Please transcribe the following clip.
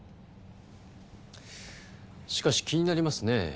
しかし気になりますねえ。